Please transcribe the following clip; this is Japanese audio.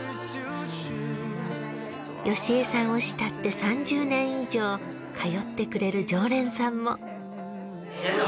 由江さんを慕って３０年以上通ってくれる常連さんも。